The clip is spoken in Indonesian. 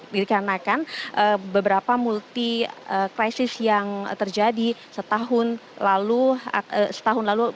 dikarenakan beberapa multi krisis yang terjadi setahun lalu